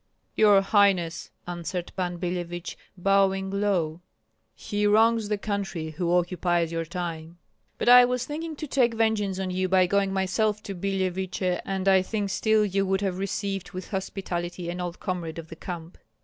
"Your highness," answered Pan Billevich, bowing low, "he wrongs the country who occupies your time." "But I was thinking to take vengeance on you by going myself to Billeviche, and I think still you would have received with hospitality an old comrade of the camp."